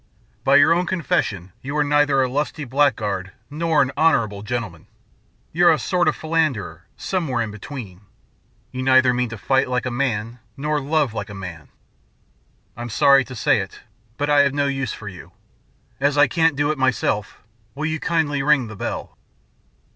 "By your own confession you are neither a lusty blackguard nor an honourable gentleman. You're a sort of philanderer, somewhere in between. You neither mean to fight like a man nor love like a man. I'm sorry to say it, but I've no use for you. As I can't do it myself, will you kindly ring the bell?"